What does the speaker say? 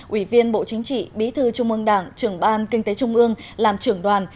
ủy viên bộ chính trị bí thư trung ương đảng trưởng ban kinh tế trung ương làm trưởng đoàn